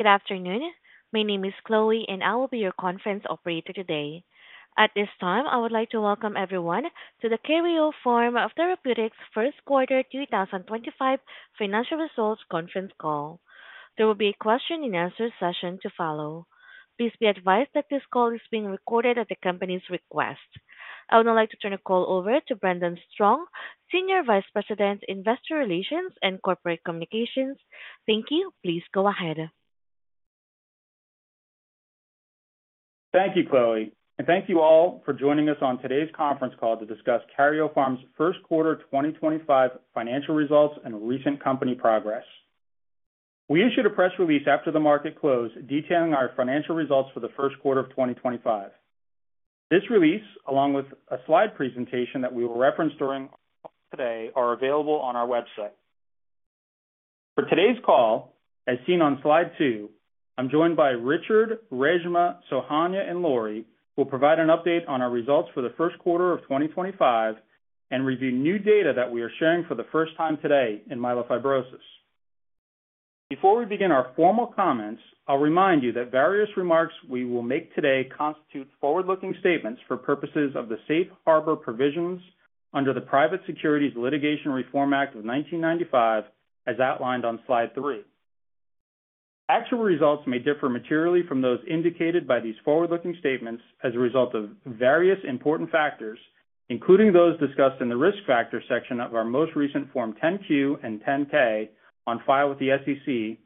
Good afternoon. My name is Chloe, and I will be your conference operator today. At this time, I would like to welcome everyone to the Karyopharm Therapeutics First Quarter 2025 Financial Results Conference Call. There will be a question-and-answer session to follow. Please be advised that this call is being recorded at the company's request. I would now like to turn the call over to Brendan Strong, Senior Vice President, Investor Relations and Corporate Communications. Thank you. Please go ahead. Thank you, Chloe. Thank you all for joining us on today's conference call to discuss Karyopharm's First Quarter 2025 financial results and recent company progress. We issued a press release after the market closed detailing our financial results for the First Quarter of 2025. This release, along with a slide presentation that we will reference during today, is available on our website. For today's call, as seen on Slide 2, I'm joined by Richard, Reshma, Sohanya, and Lori, who will provide an update on our results for the First Quarter of 2025 and review new data that we are sharing for the first time today in myelofibrosis. Before we begin our formal comments, I'll remind you that various remarks we will make today constitute forward-looking statements for purposes of the Safe Harbor Provisions under the Private Securities Litigation Reform Act of 1995, as outlined on Slide 3. Actual results may differ materially from those indicated by these forward-looking statements as a result of various important factors, including those discussed in the risk factor section of our most recent Form 10Q and 10K on file with the SEC,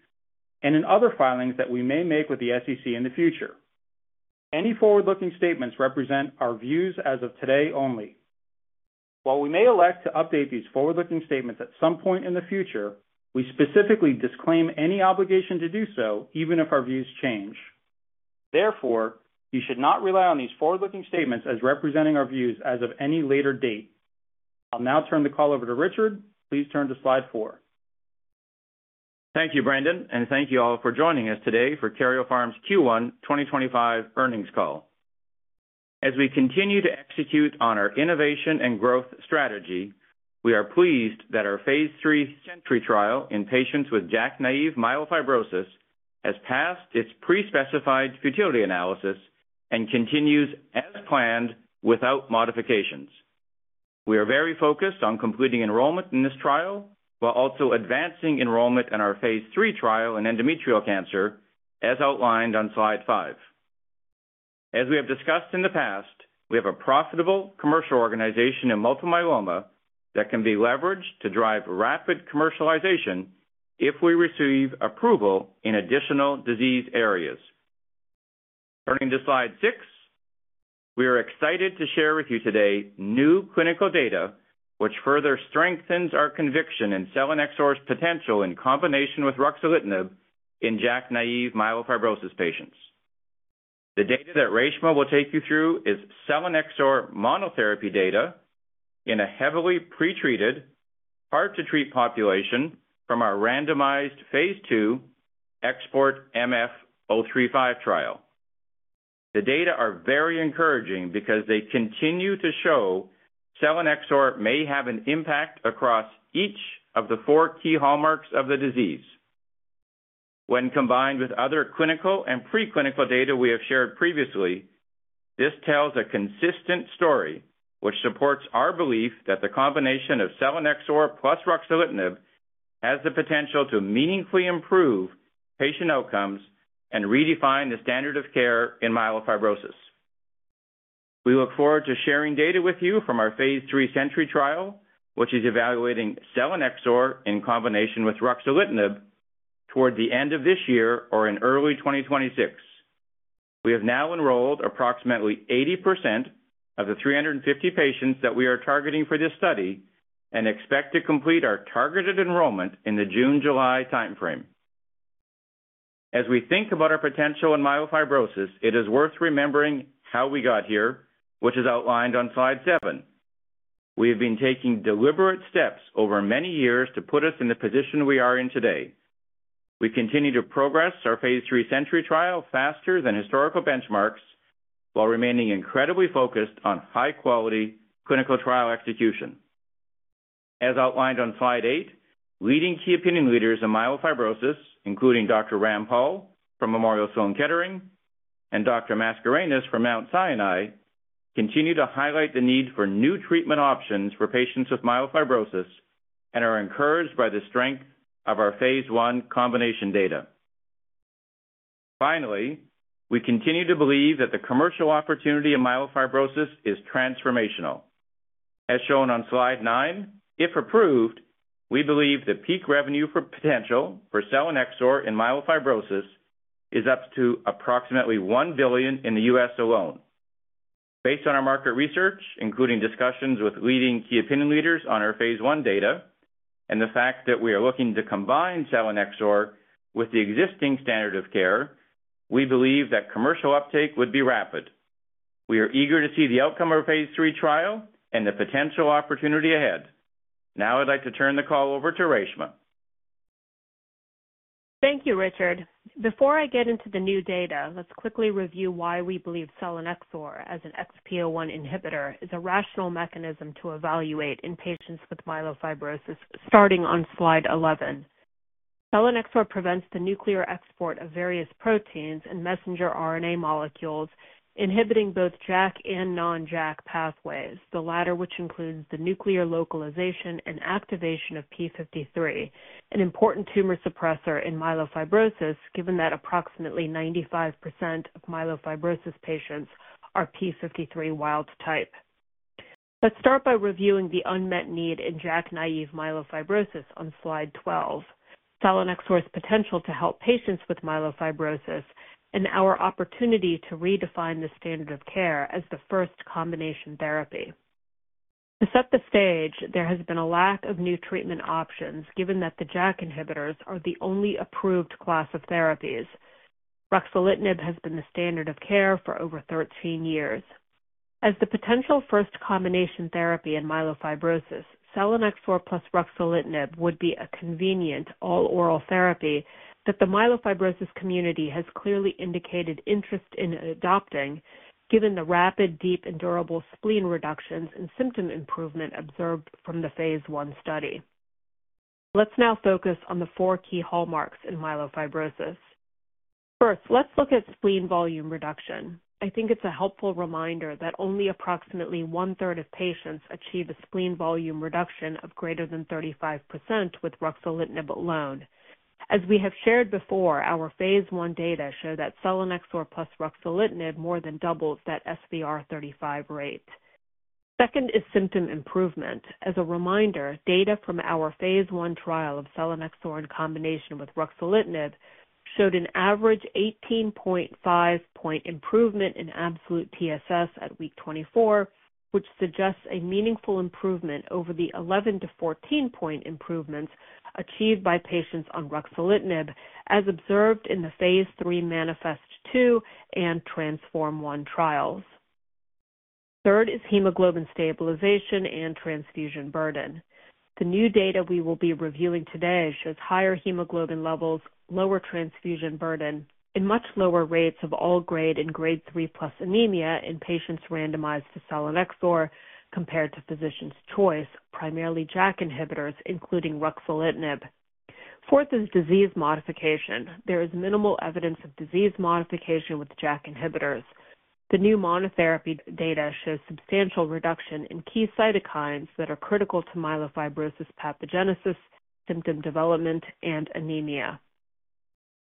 and in other filings that we may make with the SEC in the future. Any forward-looking statements represent our views as of today only. While we may elect to update these forward-looking statements at some point in the future, we specifically disclaim any obligation to do so, even if our views change. Therefore, you should not rely on these forward-looking statements as representing our views as of any later date. I'll now turn the call over to Richard. Please turn to Slide 4. Thank you, Brendan, and thank you all for joining us today for Karyopharm's Q1 2025 earnings call. As we continue to execute on our innovation and growth strategy, we are pleased that our phase 3 Sentry trial in patients with JAK-naive myelofibrosis has passed its pre-specified futility analysis and continues as planned without modifications. We are very focused on completing enrollment in this trial while also advancing enrollment in our phase 3 trial in endometrial cancer, as outlined on Slide 5. As we have discussed in the past, we have a profitable commercial organization in multiple myeloma that can be leveraged to drive rapid commercialization if we receive approval in additional disease areas. Turning to Slide 6, we are excited to share with you today new clinical data, which further strengthens our conviction in selinexor's potential in combination with ruxolitinib in JAK-naive myelofibrosis patients. The data that Reshma will take you through is selinexor monotherapy data in a heavily pretreated, hard-to-treat population from our randomized phase 2 Export MF035 trial. The data are very encouraging because they continue to show selinexor may have an impact across each of the four key hallmarks of the disease. When combined with other clinical and preclinical data we have shared previously, this tells a consistent story, which supports our belief that the combination of selinexor plus ruxolitinib has the potential to meaningfully improve patient outcomes and redefine the standard of care in myelofibrosis. We look forward to sharing data with you from our phase 3 Sentry trial, which is evaluating selinexor in combination with ruxolitinib toward the end of this year or in early 2026. We have now enrolled approximately 80% of the 350 patients that we are targeting for this study and expect to complete our targeted enrollment in the June-July timeframe. As we think about our potential in myelofibrosis, it is worth remembering how we got here, which is outlined on Slide 7. We have been taking deliberate steps over many years to put us in the position we are in today. We continue to progress our phase 3 Sentry trial faster than historical benchmarks while remaining incredibly focused on high-quality clinical trial execution. As outlined on Slide 8, leading key opinion leaders in myelofibrosis, including Dr. Rampal from Memorial Sloan Kettering and Dr. Mascarenhas from Mount Sinai, continue to highlight the need for new treatment options for patients with myelofibrosis and are encouraged by the strength of our phase 1 combination data. Finally, we continue to believe that the commercial opportunity in myelofibrosis is transformational. As shown on Slide 9, if approved, we believe the peak revenue potential for selinexor in myelofibrosis is up to approximately $1 billion in the U.S. alone. Based on our market research, including discussions with leading key opinion leaders on our phase 1 data and the fact that we are looking to combine selinexor with the existing standard of care, we believe that commercial uptake would be rapid. We are eager to see the outcome of our phase 3 trial and the potential opportunity ahead. Now, I'd like to turn the call over to Reshma. Thank you, Richard. Before I get into the new data, let's quickly review why we believe selinexor as an XPO1 inhibitor is a rational mechanism to evaluate in patients with myelofibrosis, starting on Slide 11. Selinexor prevents the nuclear export of various proteins and messenger RNA molecules, inhibiting both JAK and non-JAK pathways, the latter which includes the nuclear localization and activation of p53, an important tumor suppressor in myelofibrosis, given that approximately 95% of myelofibrosis patients are p53 wild type. Let's start by reviewing the unmet need in JAK-naive myelofibrosis on Slide 12, selinexor's potential to help patients with myelofibrosis, and our opportunity to redefine the standard of care as the first combination therapy. To set the stage, there has been a lack of new treatment options, given that the JAK inhibitors are the only approved class of therapies. Ruxolitinib has been the standard of care for over 13 years. As the potential first combination therapy in myelofibrosis, selinexor plus ruxolitinib would be a convenient all-oral therapy that the myelofibrosis community has clearly indicated interest in adopting, given the rapid, deep, and durable spleen reductions and symptom improvement observed from the phase 1 study. Let's now focus on the four key hallmarks in myelofibrosis. First, let's look at spleen volume reduction. I think it's a helpful reminder that only approximately one-third of patients achieve a spleen volume reduction of greater than 35% with ruxolitinib alone. As we have shared before, our phase 1 data show that selinexor plus ruxolitinib more than doubles that SVR35 rate. Second is symptom improvement. As a reminder, data from our phase 1 trial of selinexor in combination with ruxolitinib showed an average 18.5-point improvement in absolute TSS at week 24, which suggests a meaningful improvement over the 11-14-point improvements achieved by patients on ruxolitinib, as observed in the phase 3 MANIFEST-2 and TRANSFORM-1 trials. Third is hemoglobin stabilization and transfusion burden. The new data we will be reviewing today shows higher hemoglobin levels, lower transfusion burden, and much lower rates of all-grade and grade 3 plus anemia in patients randomized to selinexor compared to physician's choice, primarily JAK inhibitors, including ruxolitinib. Fourth is disease modification. There is minimal evidence of disease modification with JAK inhibitors. The new monotherapy data shows substantial reduction in key cytokines that are critical to myelofibrosis pathogenesis, symptom development,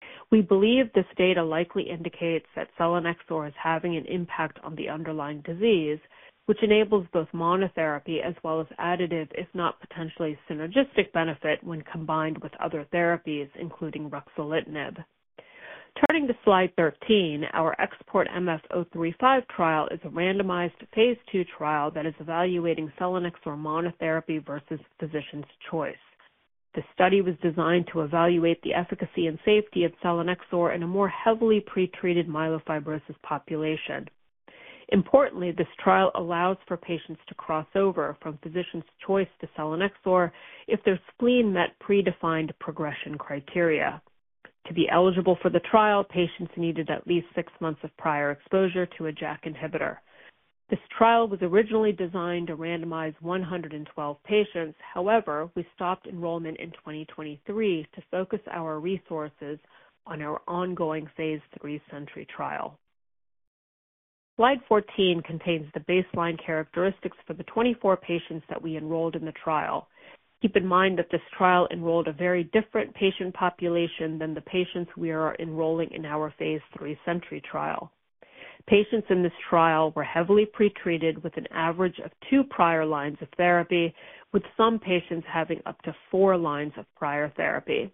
and anemia. We believe this data likely indicates that selinexor is having an impact on the underlying disease, which enables both monotherapy as well as additive, if not potentially synergistic, benefit when combined with other therapies, including ruxolitinib. Turning to Slide 13, our Export MF035 trial is a randomized phase 2 trial that is evaluating selinexor monotherapy versus physician's choice. The study was designed to evaluate the efficacy and safety of selinexor in a more heavily pretreated myelofibrosis population. Importantly, this trial allows for patients to cross over from physician's choice to selinexor if their spleen met predefined progression criteria. To be eligible for the trial, patients needed at least six months of prior exposure to a JAK inhibitor. This trial was originally designed to randomize 112 patients. However, we stopped enrollment in 2023 to focus our resources on our ongoing phase 3 Sentry trial. Slide 14 contains the baseline characteristics for the 24 patients that we enrolled in the trial. Keep in mind that this trial enrolled a very different patient population than the patients we are enrolling in our phase 3 Sentry trial. Patients in this trial were heavily pretreated with an average of two prior lines of therapy, with some patients having up to four lines of prior therapy.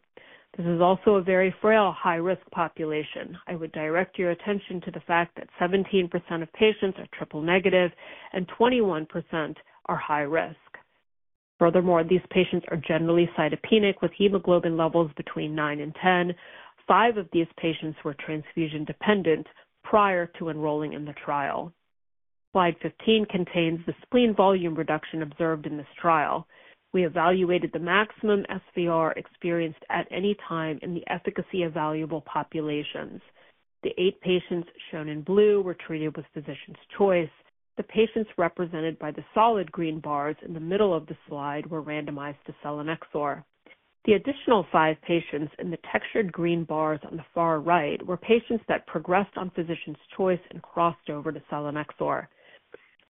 This is also a very frail high-risk population. I would direct your attention to the fact that 17% of patients are triple negative and 21% are high-risk. Furthermore, these patients are generally cytopenic with hemoglobin levels between 9 and 10. Five of these patients were transfusion dependent prior to enrolling in the trial. Slide 15 contains the spleen volume reduction observed in this trial. We evaluated the maximum SVR experienced at any time in the efficacy evaluable populations. The eight patients shown in blue were treated with physician's choice. The patients represented by the solid green bars in the middle of the slide were randomized to selinexor. The additional five patients in the textured green bars on the far right were patients that progressed on physician's choice and crossed over to selinexor.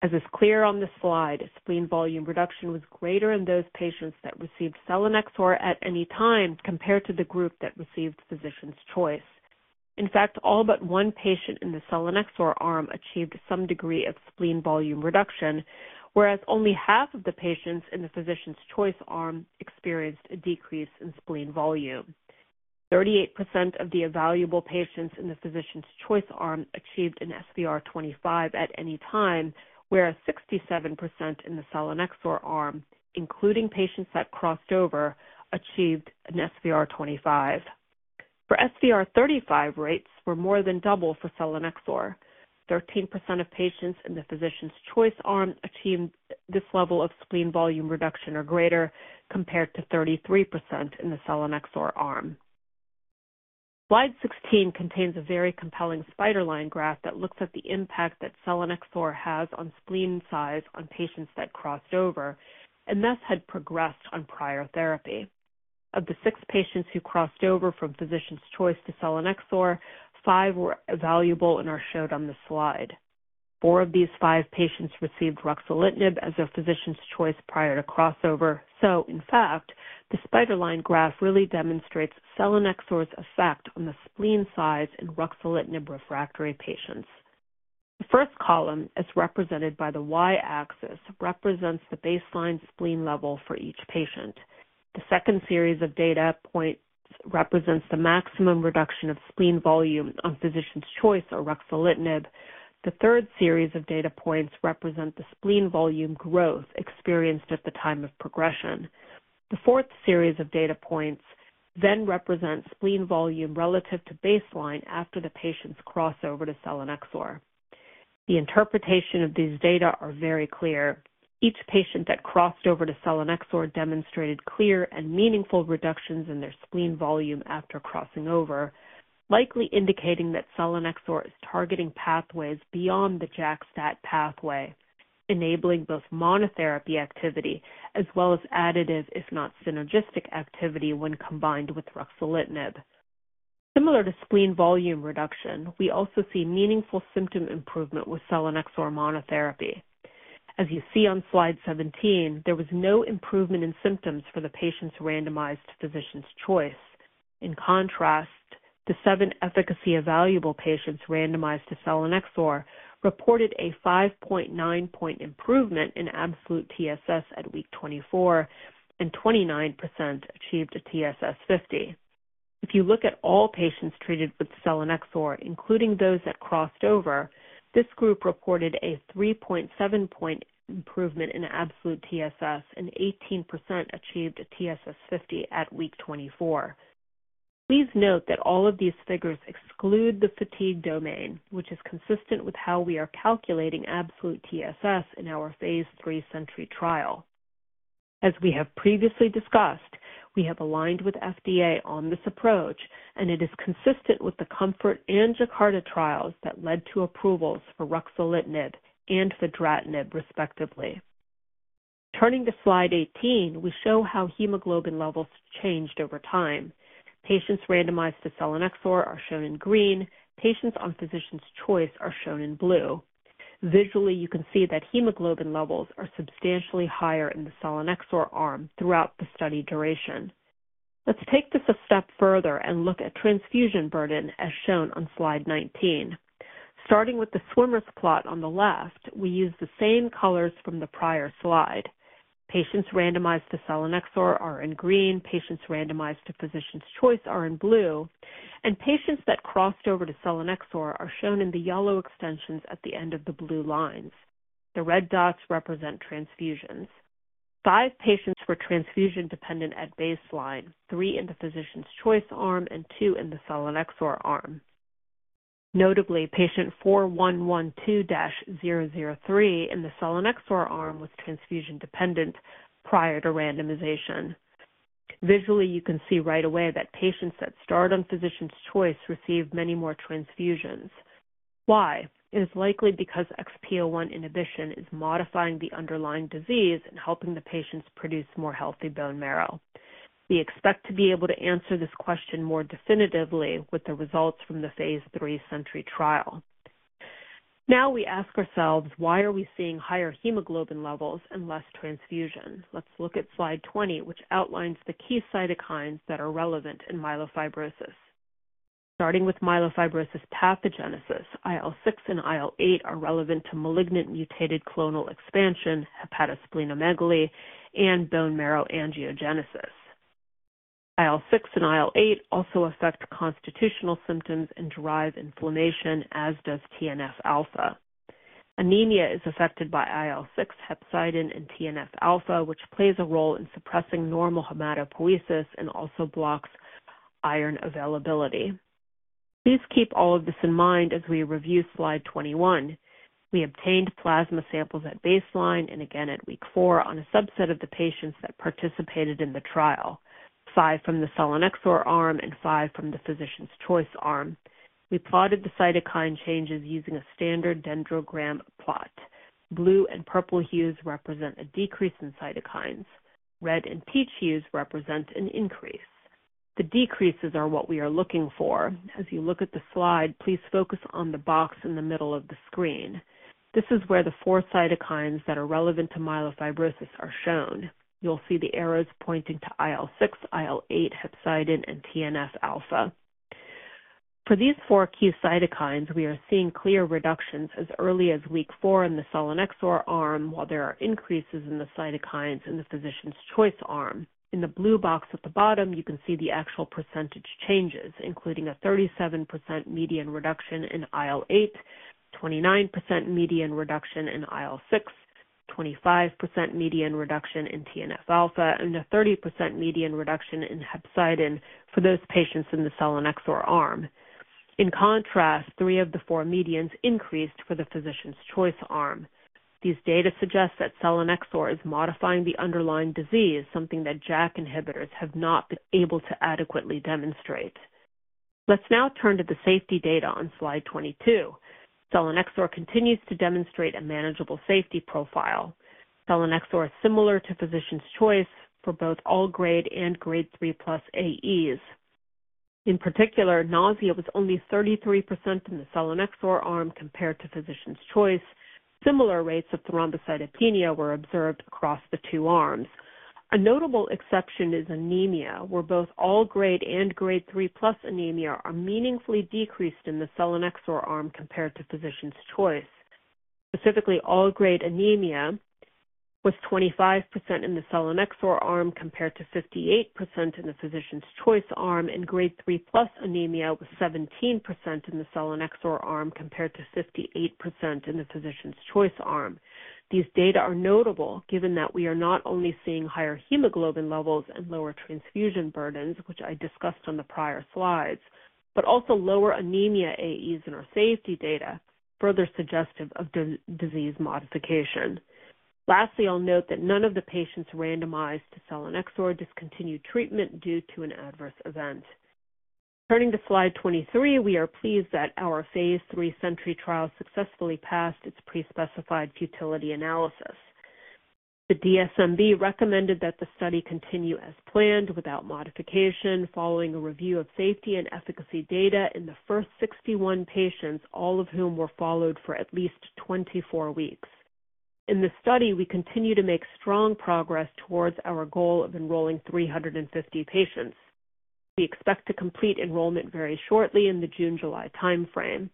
As is clear on this slide, spleen volume reduction was greater in those patients that received selinexor at any time compared to the group that received physician's choice. In fact, all but one patient in the selinexor arm achieved some degree of spleen volume reduction, whereas only half of the patients in the physician's choice arm experienced a decrease in spleen volume. 38% of the evaluable patients in the physician's choice arm achieved an SVR25 at any time, whereas 67% in the selinexor arm, including patients that crossed over, achieved an SVR25. For SVR35, rates were more than double for selinexor. 13% of patients in the physician's choice arm achieved this level of spleen volume reduction or greater compared to 33% in the selinexor arm. Slide 16 contains a very compelling spider line graph that looks at the impact that selinexor has on spleen size on patients that crossed over and thus had progressed on prior therapy. Of the six patients who crossed over from physician's choice to selinexor, five were evaluable and are shown on the slide. Four of these five patients received ruxolitinib as their physician's choice prior to crossover. In fact, the spider line graph really demonstrates selinexor's effect on the spleen size in ruxolitinib refractory patients. The first column, as represented by the Y-axis, represents the baseline spleen level for each patient. The second series of data points represents the maximum reduction of spleen volume on physician's choice or ruxolitinib. The third series of data points represent the spleen volume growth experienced at the time of progression. The fourth series of data points then represents spleen volume relative to baseline after the patients cross over to selinexor. The interpretation of these data is very clear. Each patient that crossed over to selinexor demonstrated clear and meaningful reductions in their spleen volume after crossing over, likely indicating that selinexor is targeting pathways beyond the JAK-STAT pathway, enabling both monotherapy activity as well as additive, if not synergistic activity when combined with ruxolitinib. Similar to spleen volume reduction, we also see meaningful symptom improvement with selinexor monotherapy. As you see on Slide 17, there was no improvement in symptoms for the patients randomized to physician's choice. In contrast, the seven efficacy evaluable patients randomized to selinexor reported a 5.9-point improvement in absolute TSS at week 24, and 29% achieved a TSS50. If you look at all patients treated with selinexor, including those that crossed over, this group reported a 3.7-point improvement in absolute TSS, and 18% achieved a TSS50 at week 24. Please note that all of these figures exclude the fatigue domain, which is consistent with how we are calculating absolute TSS in our phase 3 Sentry trial. As we have previously discussed, we have aligned with FDA on this approach, and it is consistent with the COMFORT and JAKARTA trials that led to approvals for ruxolitinib and for dratinib, respectively. Turning to Slide 18, we show how hemoglobin levels changed over time. Patients randomized to selinexor are shown in green. Patients on physician's choice are shown in blue. Visually, you can see that hemoglobin levels are substantially higher in the selinexor arm throughout the study duration. Let's take this a step further and look at transfusion burden, as shown on Slide 19. Starting with the swimmers plot on the left, we use the same colors from the prior slide. Patients randomized to selinexor are in green. Patients randomized to physician's choice are in blue. Patients that crossed over to selinexor are shown in the yellow extensions at the end of the blue lines. The red dots represent transfusions. Five patients were transfusion dependent at baseline, three in the physician's choice arm, and two in the selinexor arm. Notably, patient 4112-003 in the selinexor arm was transfusion dependent prior to randomization. Visually, you can see right away that patients that start on physician's choice receive many more transfusions. Why? It is likely because XPO1 inhibition is modifying the underlying disease and helping the patients produce more healthy bone marrow. We expect to be able to answer this question more definitively with the results from the phase 3 Sentry trial. Now we ask ourselves, why are we seeing higher hemoglobin levels and less transfusion? Let's look at Slide 20, which outlines the key cytokines that are relevant in myelofibrosis. Starting with myelofibrosis pathogenesis, IL-6 and IL-8 are relevant to malignant mutated clonal expansion, hepatosplenomegaly, and bone marrow angiogenesis. IL-6 and IL-8 also affect constitutional symptoms and derive inflammation, as does TNF-alpha. Anemia is affected by IL-6, hepcidin, and TNF-alpha, which plays a role in suppressing normal hematopoiesis and also blocks iron availability. Please keep all of this in mind as we review Slide 21. We obtained plasma samples at baseline and again at week 4 on a subset of the patients that participated in the trial, five from the selinexor arm and five from the physician's choice arm. We plotted the cytokine changes using a standard dendrogram plot. Blue and purple hues represent a decrease in cytokines. Red and peach hues represent an increase. The decreases are what we are looking for. As you look at the slide, please focus on the box in the middle of the screen. This is where the four cytokines that are relevant to myelofibrosis are shown. You'll see the arrows pointing to IL-6, IL-8, hepcidin, and TNF-alpha. For these four key cytokines, we are seeing clear reductions as early as week 4 in the selinexor arm, while there are increases in the cytokines in the physician's choice arm. In the blue box at the bottom, you can see the actual percentage changes, including a 37% median reduction in IL-8, 29% median reduction in IL-6, 25% median reduction in TNF-alpha, and a 30% median reduction in hepcidin for those patients in the selinexor arm. In contrast, three of the four medians increased for the physician's choice arm. These data suggest that selinexor is modifying the underlying disease, something that JAK inhibitors have not been able to adequately demonstrate. Let's now turn to the safety data on Slide 22. Selinexor continues to demonstrate a manageable safety profile. Selinexor is similar to physician's choice for both all-grade and grade 3 plus AEs. In particular, nausea was only 33% in the selinexor arm compared to physician's choice. Similar rates of thrombocytopenia were observed across the two arms. A notable exception is anemia, where both all-grade and grade 3 plus anemia are meaningfully decreased in the selinexor arm compared to physician's choice. Specifically, all-grade anemia was 25% in the selinexor arm compared to 58% in the physician's choice arm, and grade 3 plus anemia was 17% in the selinexor arm compared to 58% in the physician's choice arm. These data are notable given that we are not only seeing higher hemoglobin levels and lower transfusion burdens, which I discussed on the prior slides, but also lower anemia AEs in our safety data, further suggestive of disease modification. Lastly, I'll note that none of the patients randomized to selinexor discontinued treatment due to an adverse event. Turning to Slide 23, we are pleased that our phase 3 Sentry trial successfully passed its prespecified futility analysis. The DSMB recommended that the study continue as planned without modification following a review of safety and efficacy data in the first 61 patients, all of whom were followed for at least 24 weeks. In the study, we continue to make strong progress towards our goal of enrolling 350 patients. We expect to complete enrollment very shortly in the June-July timeframe.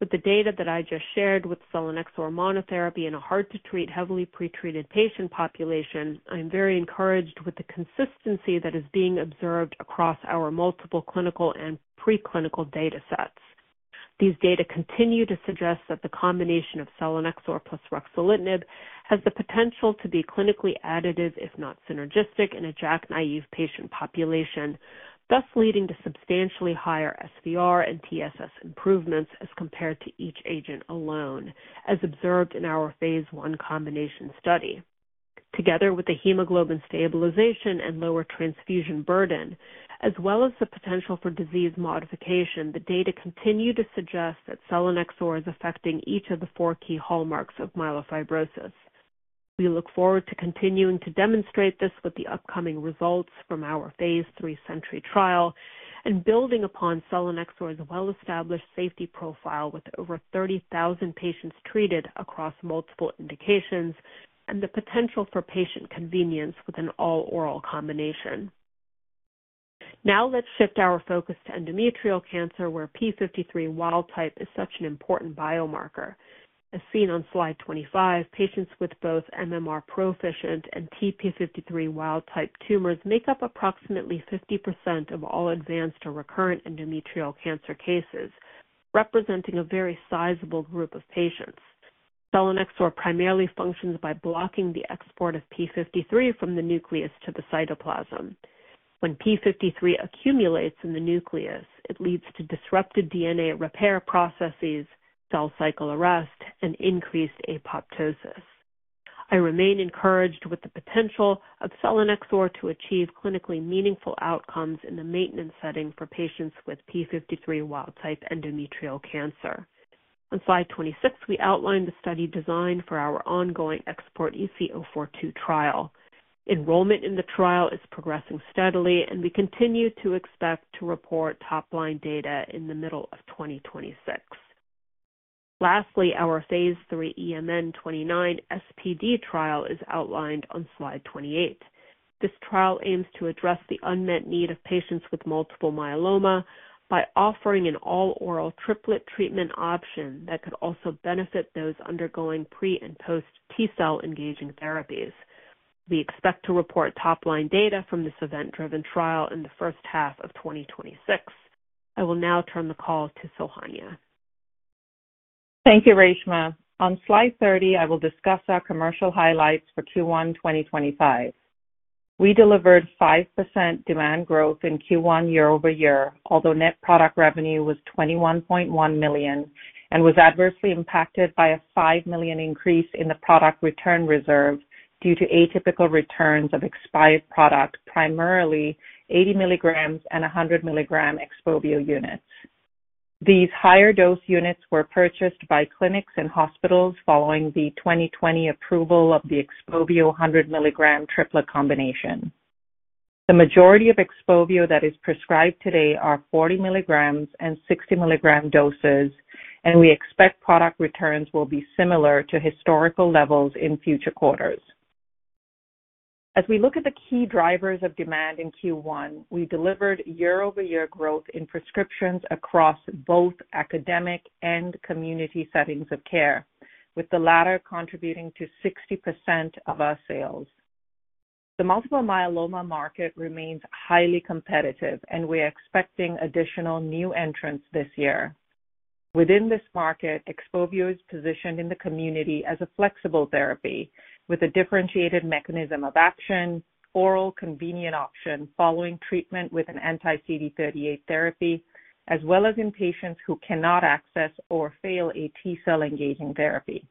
With the data that I just shared with selinexor monotherapy in a hard-to-treat, heavily pretreated patient population, I'm very encouraged with the consistency that is being observed across our multiple clinical and preclinical data sets. These data continue to suggest that the combination of selinexor plus ruxolitinib has the potential to be clinically additive, if not synergistic, in a JAK-naive patient population, thus leading to substantially higher SVR and TSS improvements as compared to each agent alone, as observed in our phase 1 combination study. Together with the hemoglobin stabilization and lower transfusion burden, as well as the potential for disease modification, the data continue to suggest that selinexor is affecting each of the four key hallmarks of myelofibrosis. We look forward to continuing to demonstrate this with the upcoming results from our phase 3 Sentry trial and building upon selinexor's well-established safety profile with over 30,000 patients treated across multiple indications and the potential for patient convenience with an all-oral combination. Now let's shift our focus to endometrial cancer, where p53 wild type is such an important biomarker. As seen on Slide 25, patients with both MMR proficient and TP53 wild type tumors make up approximately 50% of all advanced or recurrent endometrial cancer cases, representing a very sizable group of patients. Selinexor primarily functions by blocking the export of p53 from the nucleus to the cytoplasm. When p53 accumulates in the nucleus, it leads to disrupted DNA repair processes, cell cycle arrest, and increased apoptosis. I remain encouraged with the potential of selinexor to achieve clinically meaningful outcomes in the maintenance setting for patients with p53 wild-type endometrial cancer. On Slide 26, we outlined the study design for our ongoing Export EC042 trial. Enrollment in the trial is progressing steadily, and we continue to expect to report top-line data in the middle of 2026. Lastly, our phase 3 EMN29 SPD trial is outlined on Slide 28. This trial aims to address the unmet need of patients with multiple myeloma by offering an all-oral triplet treatment option that could also benefit those undergoing pre- and post-T-cell engaging therapies. We expect to report top-line data from this event-driven trial in the first half of 2026. I will now turn the call to Sohanya. Thank you, Reshma. On Slide 30, I will discuss our commercial highlights for Q1 2025. We delivered 5% demand growth in Q1 year over year, although net product revenue was $21.1 million and was adversely impacted by a $5 million increase in the product return reserve due to atypical returns of expired product, primarily 80 milligram and 100 milligram Expovio units. These higher dose units were purchased by clinics and hospitals following the 2020 approval of the Expovio 100 milligram triplet combination. The majority of Expovio that is prescribed today are 40 milligram and 60 milligram doses, and we expect product returns will be similar to historical levels in future quarters. As we look at the key drivers of demand in Q1, we delivered year-over-year growth in prescriptions across both academic and community settings of care, with the latter contributing to 60% of our sales. The multiple myeloma market remains highly competitive, and we are expecting additional new entrants this year. Within this market, Expovio is positioned in the community as a flexible therapy with a differentiated mechanism of action, oral convenient option following treatment with an anti-CD38 therapy, as well as in patients who cannot access or fail a T-cell engaging therapy.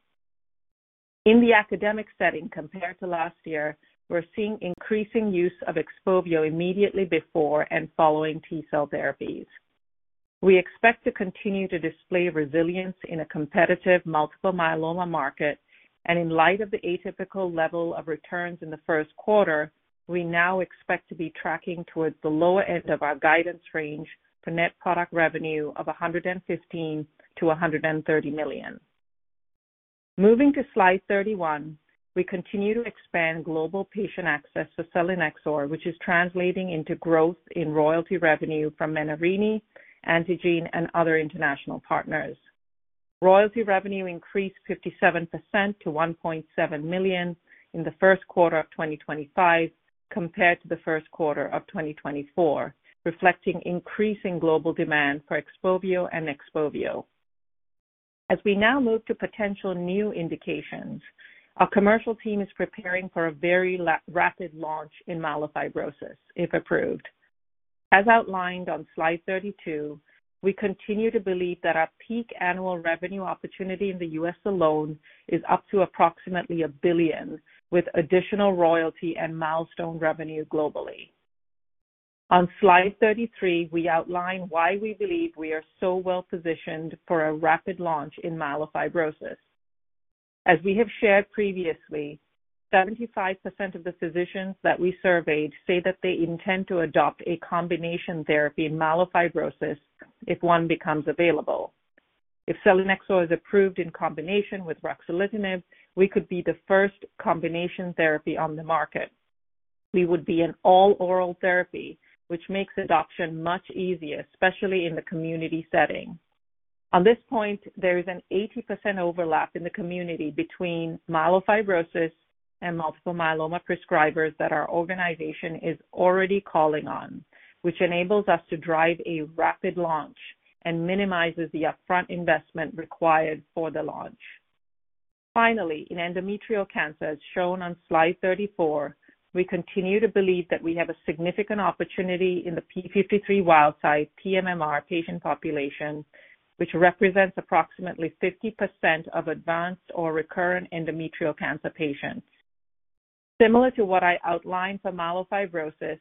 In the academic setting, compared to last year, we're seeing increasing use of Expovio immediately before and following T-cell therapies. We expect to continue to display resilience in a competitive multiple myeloma market, and in light of the atypical level of returns in the first quarter, we now expect to be tracking towards the lower end of our guidance range for net product revenue of $115-$130 million. Moving to Slide 31, we continue to expand global patient access to selinexor, which is translating into growth in royalty revenue from Menarini, Antengene, and other international partners. Royalty revenue increased 57% to $1.7 million in the first quarter of 2025 compared to the first quarter of 2024, reflecting increasing global demand for Expovio and XPOVIO. As we now move to potential new indications, our commercial team is preparing for a very rapid launch in myelofibrosis if approved. As outlined on Slide 32, we continue to believe that our peak annual revenue opportunity in the U.S. alone is up to approximately $1 billion, with additional royalty and milestone revenue globally. On Slide 33, we outline why we believe we are so well positioned for a rapid launch in myelofibrosis. As we have shared previously, 75% of the physicians that we surveyed say that they intend to adopt a combination therapy in myelofibrosis if one becomes available. If selinexor is approved in combination with ruxolitinib, we could be the first combination therapy on the market. We would be an all-oral therapy, which makes adoption much easier, especially in the community setting. On this point, there is an 80% overlap in the community between myelofibrosis and multiple myeloma prescribers that our organization is already calling on, which enables us to drive a rapid launch and minimizes the upfront investment required for the launch. Finally, in endometrial cancer, as shown on Slide 34, we continue to believe that we have a significant opportunity in the p53 wild-type PMMR patient population, which represents approximately 50% of advanced or recurrent endometrial cancer patients. Similar to what I outlined for myelofibrosis,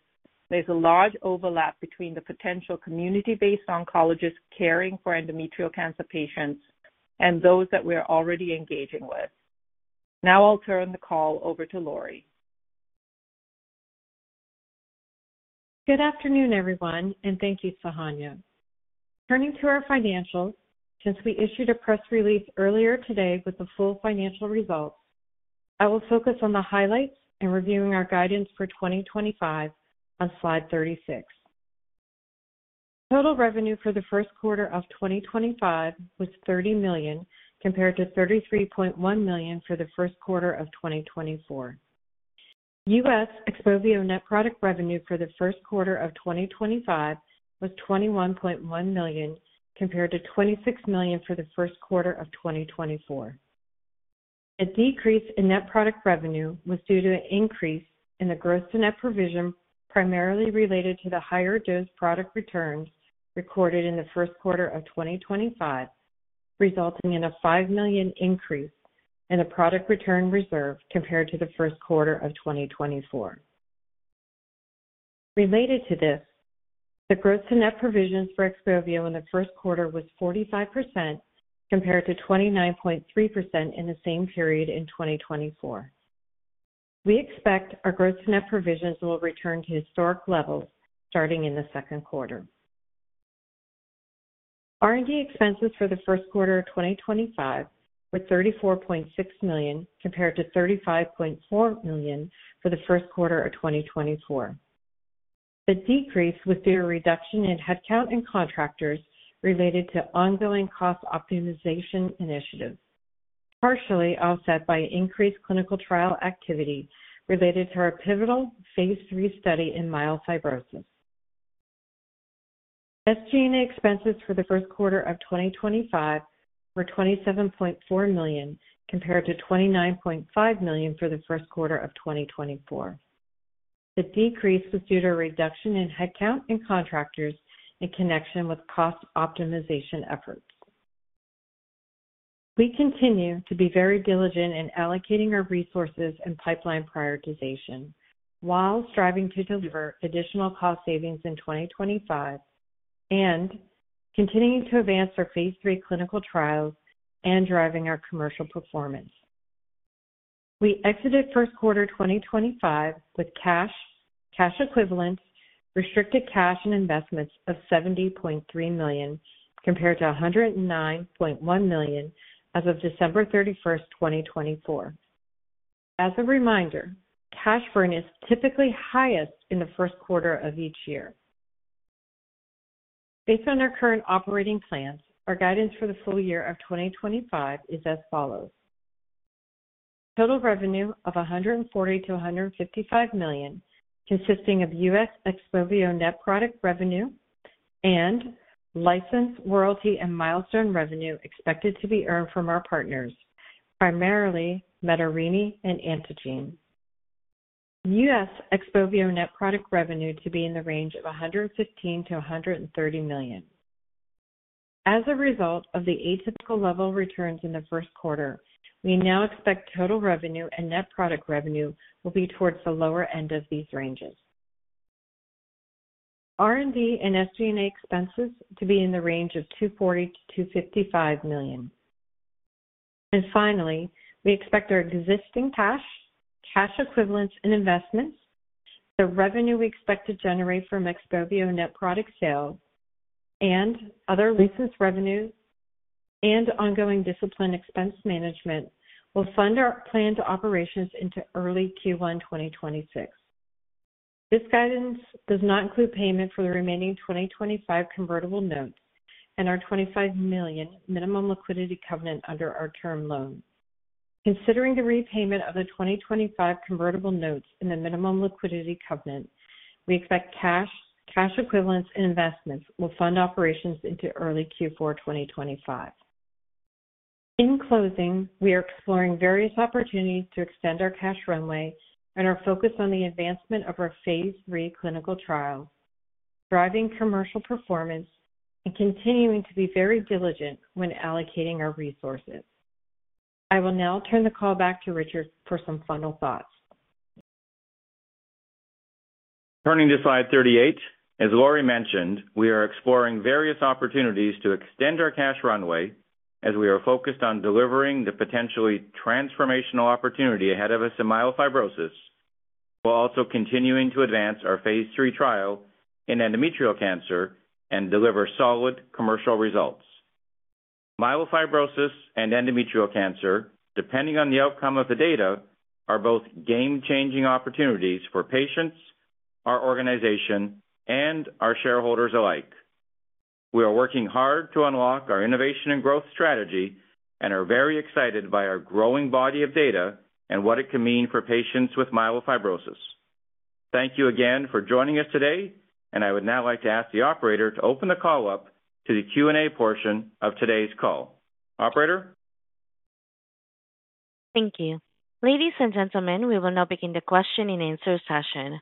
there's a large overlap between the potential community-based oncologists caring for endometrial cancer patients and those that we are already engaging with. Now I'll turn the call over to Lori. Good afternoon, everyone, and thank you, Sohanya. Turning to our financials, since we issued a press release earlier today with the full financial results, I will focus on the highlights and reviewing our guidance for 2025 on Slide 36. Total revenue for the first quarter of 2025 was $30 million compared to $33.1 million for the first quarter of 2024. U.S. XPOVIO net product revenue for the first quarter of 2025 was $21.1 million compared to $26 million for the first quarter of 2024. A decrease in net product revenue was due to an increase in the gross net provision primarily related to the higher dose product returns recorded in the first quarter of 2025, resulting in a $5 million increase in the product return reserve compared to the first quarter of 2024. Related to this, the gross net provisions for Expovio in the first quarter was 45% compared to 29.3% in the same period in 2024. We expect our gross net provisions will return to historic levels starting in the second quarter. R&D expenses for the first quarter of 2025 were $34.6 million compared to $35.4 million for the first quarter of 2024. The decrease was due to a reduction in headcount and contractors related to ongoing cost optimization initiatives, partially offset by increased clinical trial activity related to our pivotal phase 3 study in myelofibrosis. SG&A expenses for the first quarter of 2025 were $27.4 million compared to $29.5 million for the first quarter of 2024. The decrease was due to a reduction in headcount and contractors in connection with cost optimization efforts. We continue to be very diligent in allocating our resources and pipeline prioritization while striving to deliver additional cost savings in 2025 and continuing to advance our phase 3 clinical trials and driving our commercial performance. We exited first quarter 2025 with cash, cash equivalents, restricted cash, and investments of $70.3 million compared to $109.1 million as of December 31, 2024. As a reminder, cash burn is typically highest in the first quarter of each year. Based on our current operating plans, our guidance for the full year of 2025 is as follows. Total revenue of $140-$155 million consisting of U.S. XPOVIO net product revenue and license, royalty, and milestone revenue expected to be earned from our partners, primarily Menarini and Antengene. U.S. XPOVIO net product revenue to be in the range of $115 million-$130 million. As a result of the atypical level returns in the first quarter, we now expect total revenue and net product revenue will be towards the lower end of these ranges. R&D and SG&A expenses to be in the range of $240 million-$255 million. Finally, we expect our existing cash, cash equivalents, and investments, the revenue we expect to generate from XPOVIO net product sales, and other license revenues, and ongoing disciplined expense management will fund our planned operations into early Q1 2026. This guidance does not include payment for the remaining 2025 convertible notes and our $25 million minimum liquidity covenant under our term loan. Considering the repayment of the 2025 convertible notes and the minimum liquidity covenant, we expect cash, cash equivalents, and investments will fund operations into early Q4 2025. In closing, we are exploring various opportunities to extend our cash runway and are focused on the advancement of our phase 3 clinical trial, driving commercial performance, and continuing to be very diligent when allocating our resources. I will now turn the call back to Richard for some final thoughts. Turning to Slide 38, as Lori mentioned, we are exploring various opportunities to extend our cash runway as we are focused on delivering the potentially transformational opportunity ahead of us in myelofibrosis, while also continuing to advance our phase 3 trial in endometrial cancer and deliver solid commercial results. Myelofibrosis and endometrial cancer, depending on the outcome of the data, are both game-changing opportunities for patients, our organization, and our shareholders alike. We are working hard to unlock our innovation and growth strategy and are very excited by our growing body of data and what it can mean for patients with myelofibrosis. Thank you again for joining us today, and I would now like to ask the operator to open the call up to the Q&A portion of today's call. Operator? Thank you. Ladies and gentlemen, we will now begin the question and answer session.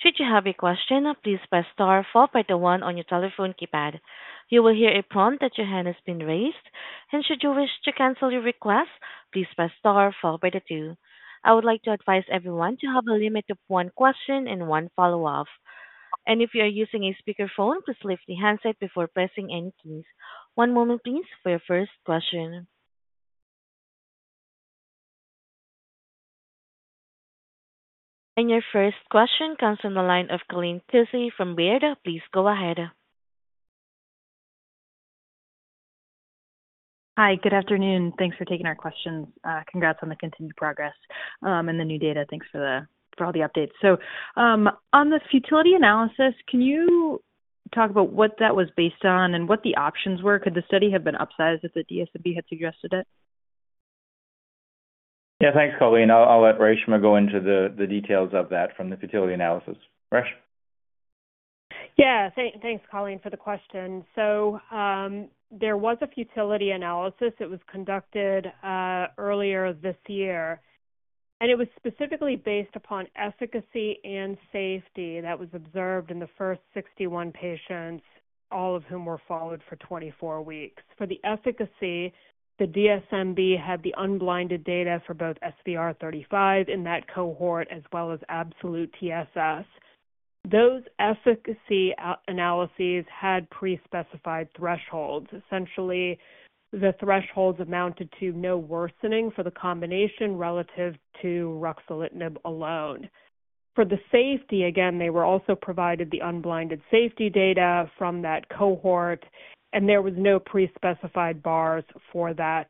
Should you have a question, please press star followed by the one on your telephone keypad. You will hear a prompt that your hand has been raised, and should you wish to cancel your request, please press star followed by the two. I would like to advise everyone to have a limit of one question and one follow-up. If you are using a speakerphone, please lift the handset before pressing any keys. One moment, please, for your first question. Your first question comes from the line of Colleen Tizzi from Vayreda. Please go ahead. Hi, good afternoon. Thanks for taking our questions. Congrats on the continued progress and the new data. Thanks for all the updates. On the futility analysis, can you talk about what that was based on and what the options were? Could the study have been upsized if the DSMB had suggested it? Yeah, thanks, Colleen. I'll let Reshma go into the details of that from the futility analysis. Reshma? Yeah, thanks, Colleen, for the question. There was a futility analysis that was conducted earlier this year, and it was specifically based upon efficacy and safety that was observed in the first 61 patients, all of whom were followed for 24 weeks. For the efficacy, the DSMB had the unblinded data for both SVR35 in that cohort as well as absolute TSS. Those efficacy analyses had pre-specified thresholds. Essentially, the thresholds amounted to no worsening for the combination relative to ruxolitinib alone. For the safety, again, they were also provided the unblinded safety data from that cohort, and there were no pre-specified bars for that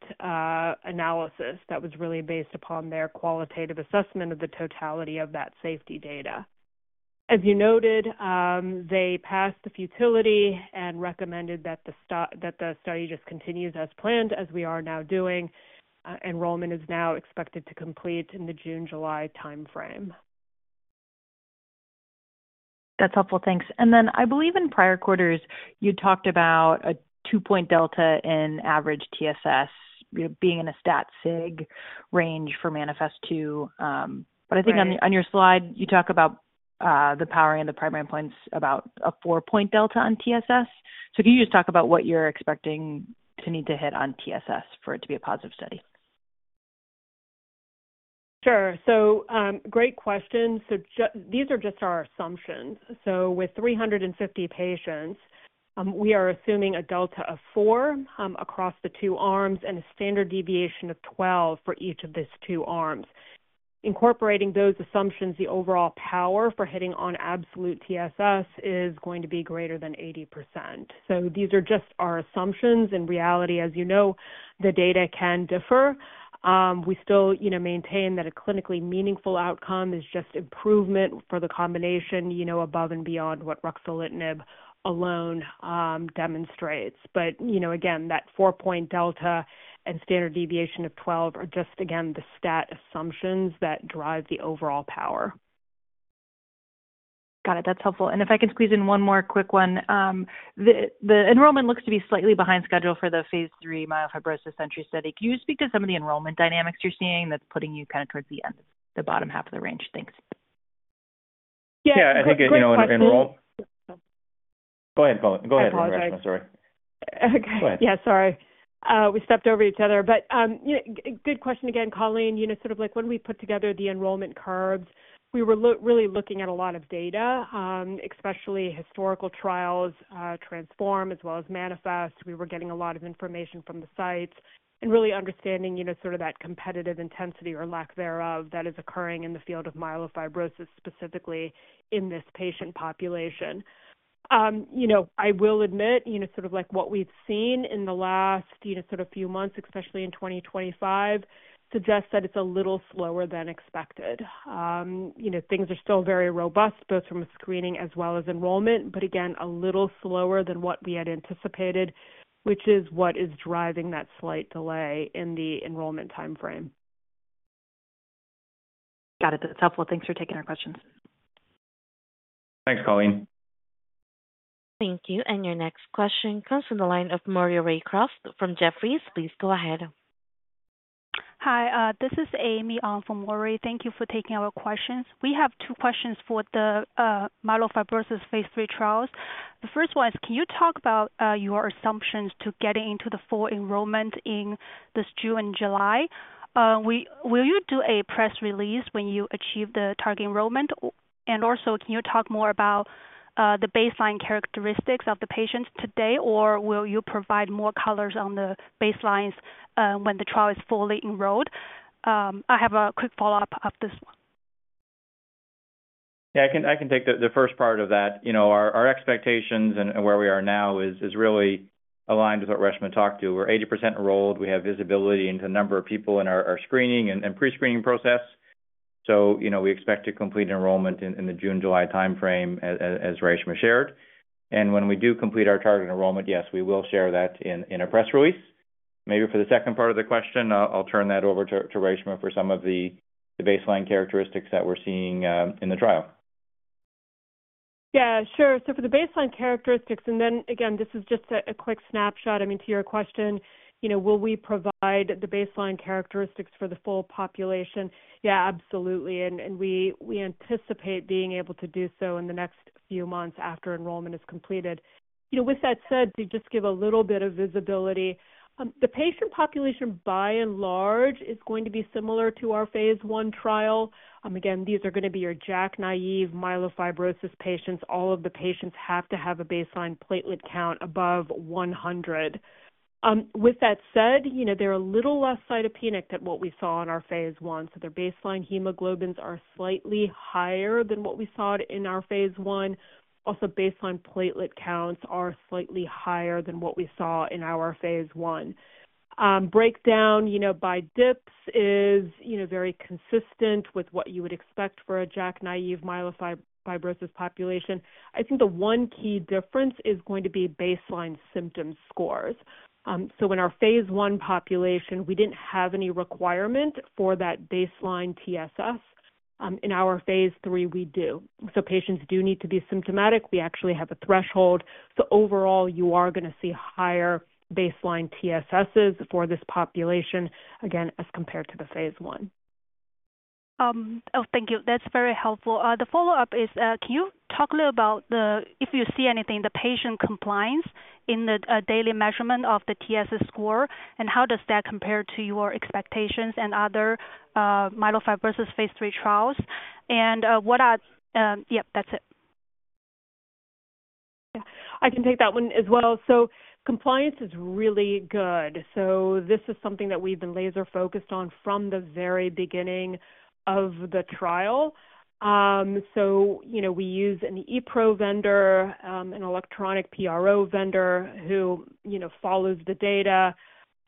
analysis. That was really based upon their qualitative assessment of the totality of that safety data. As you noted, they passed the futility and recommended that the study just continues as planned, as we are now doing. Enrollment is now expected to complete in the June-July timeframe. That's helpful. Thanks. I believe in prior quarters, you talked about a two-point delta in average TSS being in a stat sig range for Manifest 2. But I think on your slide, you talk about the power and the primary points about a four-point delta on TSS. Can you just talk about what you're expecting to need to hit on TSS for it to be a positive study? Sure. Great question. These are just our assumptions. With 350 patients, we are assuming a delta of 4 across the two arms and a standard deviation of 12 for each of these two arms. Incorporating those assumptions, the overall power for hitting on absolute TSS is going to be greater than 80%. These are just our assumptions. In reality, as you know, the data can differ. We still maintain that a clinically meaningful outcome is just improvement for the combination above and beyond what ruxolitinib alone demonstrates. But again, that four-point delta and standard deviation of 12 are just, again, the stat assumptions that drive the overall power. Got it. That's helpful. If I can squeeze in one more quick one, the enrollment looks to be slightly behind schedule for the phase 3 myelofibrosis Sentry study. Can you speak to some of the enrollment dynamics you're seeing that's putting you kind of towards the end, the bottom half of the range? Thanks. Yeah, I think in enrollment. Go ahead, Colleen. Go ahead, Reshma. Sorry. Okay. Yeah, sorry. We stepped over each other. Good question again, Colleen. Sort of like when we put together the enrollment curves, we were really looking at a lot of data, especially historical trials, Transform as well as Manifest. We were getting a lot of information from the sites and really understanding sort of that competitive intensity or lack thereof that is occurring in the field of myelofibrosis specifically in this patient population. I will admit sort of like what we've seen in the last sort of few months, especially in 2025, suggests that it's a little slower than expected. Things are still very robust both from a screening as well as enrollment, but again, a little slower than what we had anticipated, which is what is driving that slight delay in the enrollment timeframe. Got it. That's helpful. Thanks for taking our questions. Thanks, Colleen. Thank you. Your next question comes from the line of Moria Raycroft from Jefferies. Please go ahead. Hi, this is Amy from Moria. Thank you for taking our questions. We have two questions for the myelofibrosis phase 3 trials. The first one is, can you talk about your assumptions to getting into the full enrollment in this June and July? Will you do a press release when you achieve the target enrollment? Also, can you talk more about the baseline characteristics of the patients today, or will you provide more colors on the baselines when the trial is fully enrolled? I have a quick follow-up of this one. Yeah, I can take the first part of that. Our expectations and where we are now is really aligned with what Reshma talked to. We're 80% enrolled. We have visibility into the number of people in our screening and pre-screening process. We expect to complete enrollment in the June-July timeframe, as Reshma shared. When we do complete our target enrollment, yes, we will share that in a press release. Maybe for the second part of the question, I'll turn that over to Reshma for some of the baseline characteristics that we're seeing in the trial. Yeah, sure. For the baseline characteristics, and then again, this is just a quick snapshot. I mean, to your question, will we provide the baseline characteristics for the full population? Yeah, absolutely. We anticipate being able to do so in the next few months after enrollment is completed. With that said, to just give a little bit of visibility, the patient population by and large is going to be similar to our phase 1 trial. Again, these are going to be your JAK naive myelofibrosis patients. All of the patients have to have a baseline platelet count above 100. With that said, they're a little less cytopenic than what we saw in our phase 1. Their baseline hemoglobins are slightly higher than what we saw in our phase 1. Also, baseline platelet counts are slightly higher than what we saw in our phase 1. Breakdown by dips is very consistent with what you would expect for a JAK-naive myelofibrosis population. I think the one key difference is going to be baseline symptom scores. In our phase 1 population, we did not have any requirement for that baseline TSS. In our phase 3, we do. Patients do need to be symptomatic. We actually have a threshold. Overall, you are going to see higher baseline TSSs for this population, again, as compared to the phase 1. Oh, thank you. That is very helpful. The follow-up is, can you talk a little about if you see anything, the patient compliance in the daily measurement of the TSS score, and how does that compare to your expectations and other myelofibrosis phase 3 trials? And what are yeah, that's it. Yeah, I can take that one as well. Compliance is really good. This is something that we've been laser-focused on from the very beginning of the trial. We use an ePRO vendor, an electronic PRO vendor who follows the data,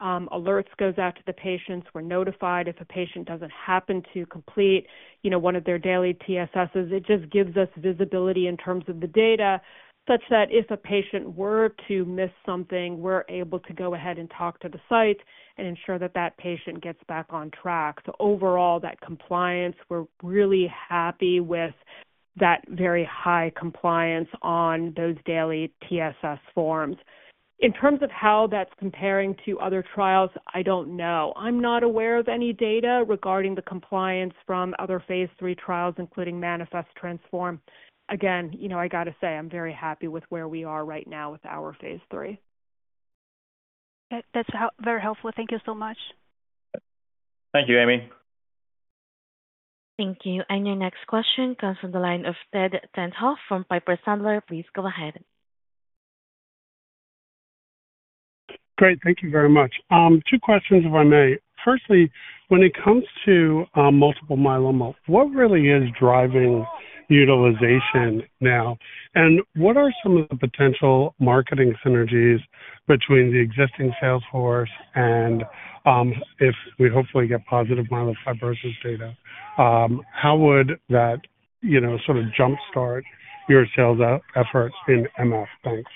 alerts go out to the patients. We're notified if a patient doesn't happen to complete one of their daily TSSs. It just gives us visibility in terms of the data such that if a patient were to miss something, we're able to go ahead and talk to the site and ensure that that patient gets back on track. Overall, that compliance, we're really happy with that very high compliance on those daily TSS forms. In terms of how that's comparing to other trials, I don't know. I'm not aware of any data regarding the compliance from other phase 3 trials, including Manifest Transform. Again, I got to say, I'm very happy with where we are right now with our phase 3. That's very helpful. Thank you so much. Thank you, Amy. Thank you. Your next question comes from the line of Ted Thanh Ho from Piper Sandler. Please go ahead. Great. Thank you very much. Two questions, if I may. Firstly, when it comes to multiple myeloma, what really is driving utilization now? And what are some of the potential marketing synergies between the existing Salesforce and, if we hopefully get positive myelofibrosis data? How would that sort of jumpstart your sales efforts in MF? Thanks.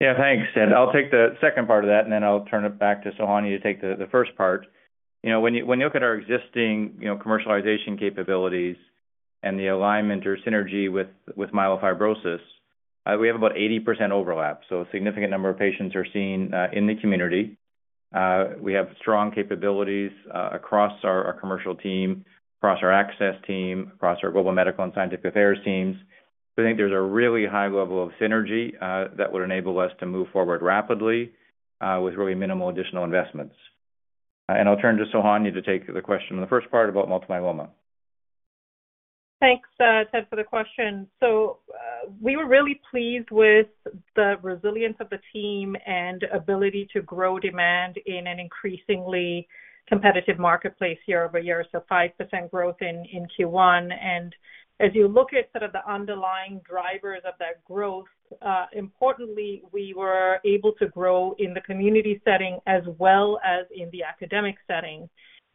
Yeah, thanks, Ted. I'll take the second part of that, and then I'll turn it back to Sohanya to take the first part. When you look at our existing commercialization capabilities and the alignment or synergy with myelofibrosis, we have about 80% overlap. A significant number of patients are seen in the community. We have strong capabilities across our commercial team, across our access team, across our global medical and scientific affairs teams. I think there's a really high level of synergy that would enable us to move forward rapidly with really minimal additional investments. I'll turn to Sohanya to take the question in the first part about multiple myeloma. Thanks, Ted, for the question. We were really pleased with the resilience of the team and ability to grow demand in an increasingly competitive marketplace year over year. 5% growth in Q1. As you look at sort of the underlying drivers of that growth, importantly, we were able to grow in the community setting as well as in the academic setting.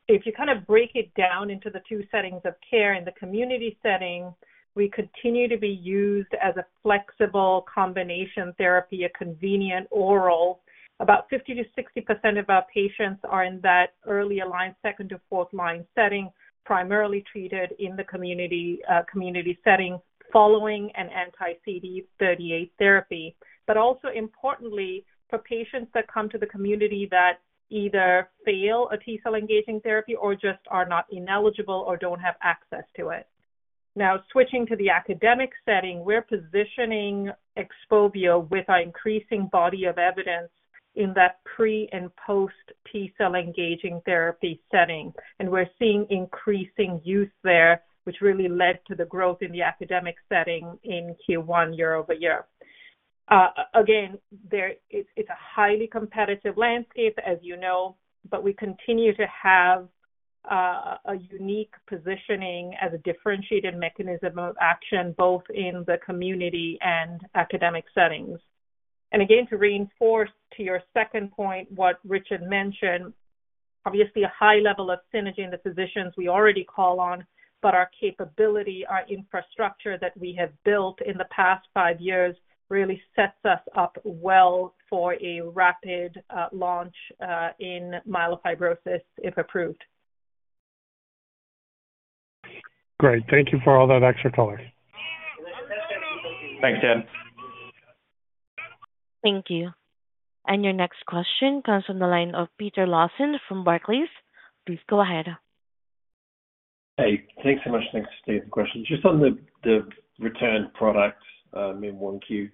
If you kind of break it down into the two settings of care, in the community setting, we continue to be used as a flexible combination therapy, a convenient oral. About 50-60% of our patients are in that early aligned second to fourth line setting, primarily treated in the community setting following an anti-CD38 therapy. Also importantly, for patients that come to the community that either fail a T-cell engaging therapy or just are not ineligible or do not have access to it. Now, switching to the academic setting, we are positioning XPOVIO with our increasing body of evidence in that pre and post-T-cell engaging therapy setting. We're seeing increasing use there, which really led to the growth in the academic setting in Q1 year over year. It's a highly competitive landscape, as you know, but we continue to have a unique positioning as a differentiated mechanism of action both in the community and academic settings. To reinforce your second point, what Richard mentioned, obviously a high level of synergy in the physicians we already call on, but our capability, our infrastructure that we have built in the past five years really sets us up well for a rapid launch in myelofibrosis if approved. Great. Thank you for all that extra color. Thanks, Ted. Thank you. Your next question comes from the line of Peter Lawson from Barclays. Please go ahead. Hey, thanks so much. Thanks for taking the question. Just on the return product in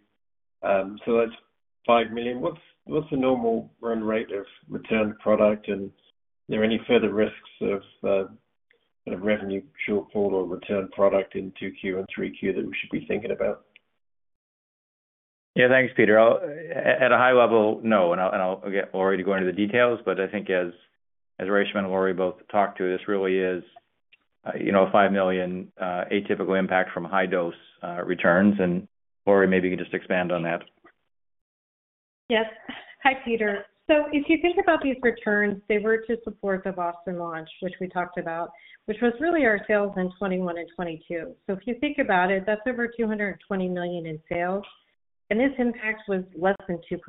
Q1. That's $5 million. What's the normal run rate of return product? Are there any further risks of revenue shortfall or return product in 2Q and 3Q that we should be thinking about? Yeah, thanks, Peter. At a high level, no. I'll get Lori to go into the details. I think as Reshma and Lori both talked to, this really is a $5 million atypical impact from high-dose returns. Lori, maybe you can just expand on that. Yes. Hi, Peter. If you think about these returns, they were to support the Boston launch, which we talked about, which was really our sales in 2021 and 2022. If you think about it, that's over $220 million in sales. This impact was less than 2%.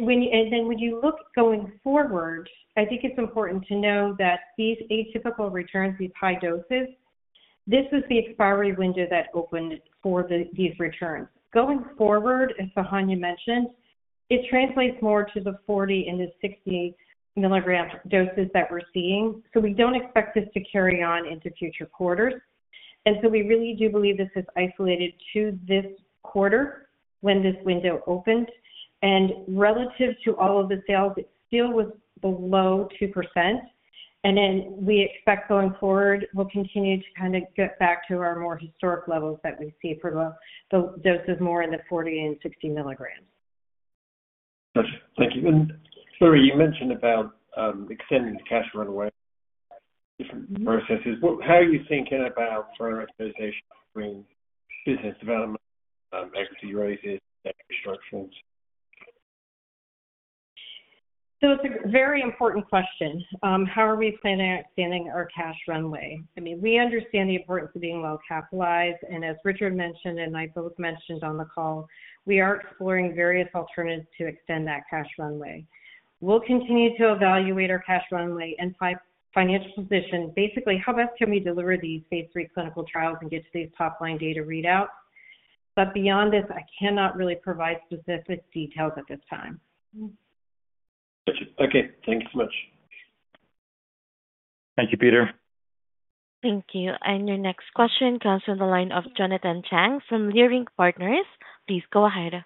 When you look going forward, I think it's important to know that these atypical returns, these high doses, this is the expiry window that opened for these returns. Going forward, as Sohanya mentioned, it translates more to the 40 and the 60 milligram doses that we're seeing. We don't expect this to carry on into future quarters. We really do believe this is isolated to this quarter when this window opened. Relative to all of the sales, it still was below 2%. We expect going forward, we'll continue to kind of get back to our more historic levels that we see for the doses more in the 40 and 60 milligrams. Gotcha. Thank you. Lorie, you mentioned about extending the cash runway, different processes. How are you thinking about further exploitation between business development, equity raises, and infrastructures? It is a very important question. How are we planning on extending our cash runway? I mean, we understand the importance of being well-capitalized. As Richard mentioned, and I both mentioned on the call, we are exploring various alternatives to extend that cash runway. We will continue to evaluate our cash runway and financial position. Basically, how best can we deliver these phase 3 clinical trials and get to these top-line data readouts? Beyond this, I cannot really provide specific details at this time. Gotcha. Okay. Thank you so much. Thank you, Peter. Thank you. Your next question comes from the line of Jonathan Chang from Leerink Partners. Please go ahead.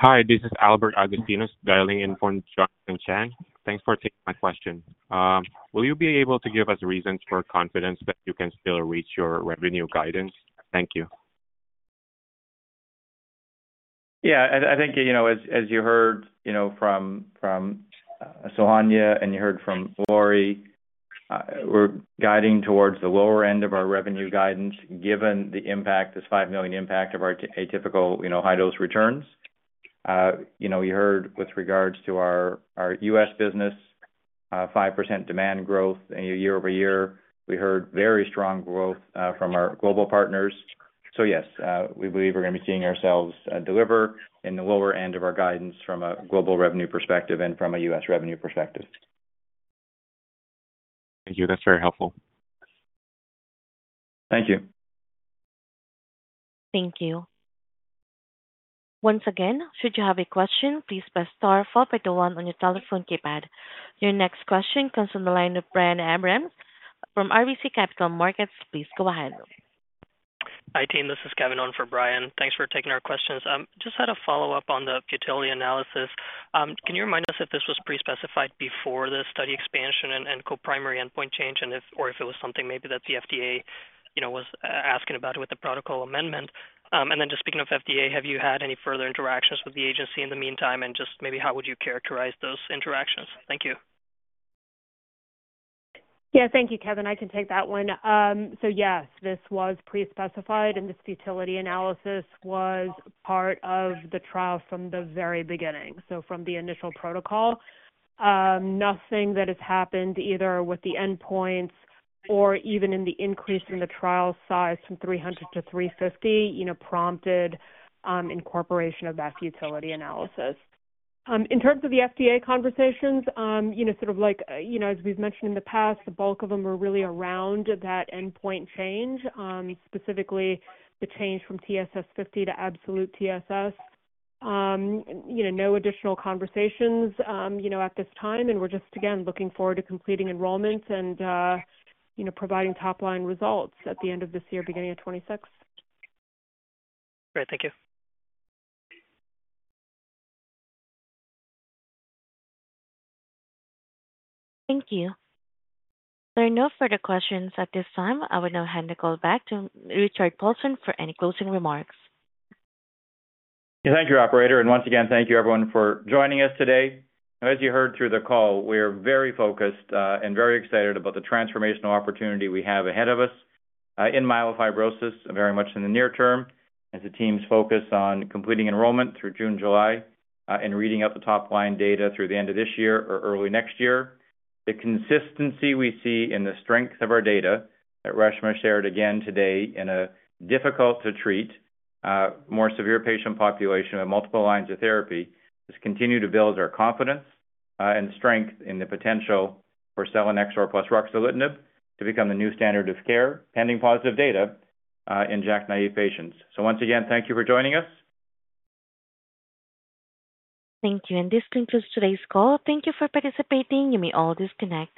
Hi, this is Albert Agostinos, dialing in for Jonathan Chang. Thanks for taking my question. Will you be able to give us reasons for confidence that you can still reach your revenue guidance? Thank you. Yeah. I think, as you heard from Sohanya and you heard from Lori, we're guiding towards the lower end of our revenue guidance given the impact, this $5 million impact of our atypical high-dose returns. You heard with regards to our U.S. business, 5% demand growth year over year. We heard very strong growth from our global partners. Yes, we believe we're going to be seeing ourselves deliver in the lower end of our guidance from a global revenue perspective and from a U.S. revenue perspective. Thank you. That's very helpful. Thank you. Thank you. Once again, should you have a question, please press star followed by one on your telephone keypad. Your next question comes from the line of Brian Abrams from RBC Capital Markets. Please go ahead. Hi, team. This is Kevin Owen for Brian. Thanks for taking our questions. Just had a follow-up on the futility analysis. Can you remind us if this was pre-specified before the study expansion and co-primary endpoint change or if it was something maybe that the FDA was asking about with the protocol amendment? Just speaking of FDA, have you had any further interactions with the agency in the meantime? Just maybe how would you characterize those interactions? Thank you. Yeah. Thank you, Kevin. I can take that one. Yes, this was pre-specified, and this futility analysis was part of the trial from the very beginning, from the initial protocol. Nothing that has happened either with the endpoints or even in the increase in the trial size from 300 to 350 prompted incorporation of that futility analysis. In terms of the FDA conversations, sort of like as we've mentioned in the past, the bulk of them were really around that endpoint change, specifically the change from TSS50 to absolute TSS. No additional conversations at this time. We're just, again, looking forward to completing enrollments and providing top-line results at the end of this year, beginning of 2026. Great. Thank you. Thank you. There are no further questions at this time. I will now hand the call back to Richard Paulson for any closing remarks. Thank you, operator. And once again, thank you, everyone, for joining us today. As you heard through the call, we are very focused and very excited about the transformational opportunity we have ahead of us in myelofibrosis very much in the near term as the team's focus on completing enrollment through June, July, and reading out the top-line data through the end of this year or early next year. The consistency we see in the strength of our data that Reshma shared again today in a difficult-to-treat, more severe patient population with multiple lines of therapy has continued to build our confidence and strength in the potential for selinexor plus ruxolitinib to become the new standard of care pending positive data in JAK-naive patients. Once again, thank you for joining us. Thank you. This concludes today's call. Thank you for participating. You may all disconnect.